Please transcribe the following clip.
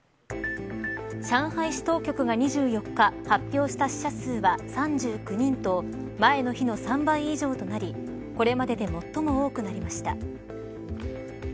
市当局が２４日発表した死者数は３９人と前の日の３倍以上となりこれまでで最も多くなりました。